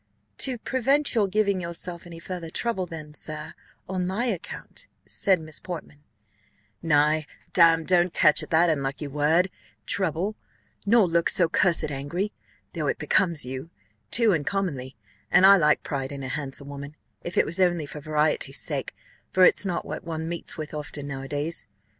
"To prevent your giving yourself any further trouble then, sir, on my account," said Miss Portman "Nay, damme, don't catch at that unlucky word, trouble, nor look so cursed angry; though it becomes you, too, uncommonly, and I like pride in a handsome woman, if it was only for variety's sake, for it's not what one meets with often, now a days.